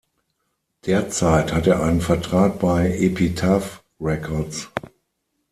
Derzeit hat er einen Vertrag bei Epitaph Records.